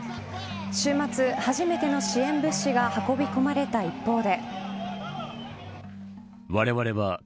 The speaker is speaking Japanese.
週末、初めての支援物資が運び込まれた一方で。